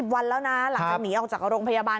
วันแล้วนะหลังจากหนีออกจากโรงพยาบาล